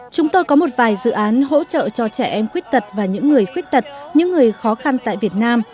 chúng tôi có một vài dự án hỗ trợ cho trẻ em khuyết tật và những người khuyết tật những người khó khăn tại việt nam